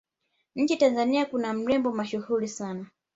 nchini tanzania kuna mrembo mashuhuli sana